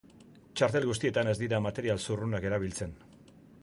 Txartel guztietan ez dira material zurrunak erabiltzen.